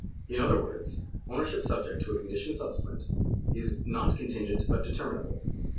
In other words ownership subject to a condition subsequent is not contingent but determinable.